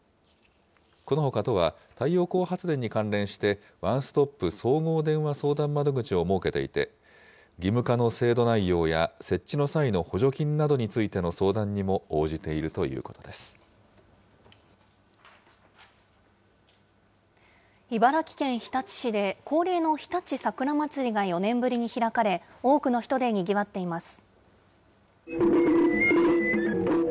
このほか、都は太陽光発電に関連してワンストップ総合電話相談窓口を設けていて、義務化の制度内容や設置の際の補助金などについての相談に茨城県日立市で、恒例の日立さくらまつりが４年ぶりに開かれ、多くの人でにぎわっています。